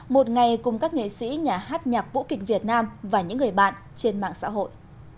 một ngày cùng các nghệ sĩ nhà hát nhạc vũ kịch việt nam và những người bạn trên mạng xã hội